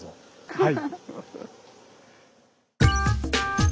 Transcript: はい。